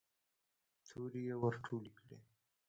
تورې يې ور ټولې کړې.